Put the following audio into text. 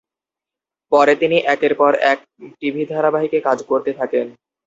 পরে তিনি একের পর এক টিভি ধারাবাহিকে কাজ করতে থাকেন।